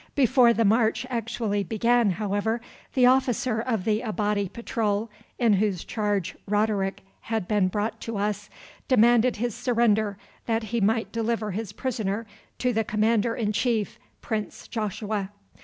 Before the march actually began, however, the officer of the Abati patrol, in whose charge Roderick had been brought to us, demanded his surrender that he might deliver his prisoner to the Commander in Chief, Prince Joshua.